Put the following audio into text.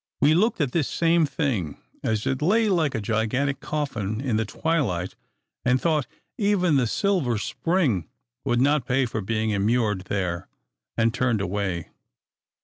We looked at this same thing as it lay like a gigantic coffin in the twilight, and thought even the Silver Spring would not pay for being immured there, and turned away.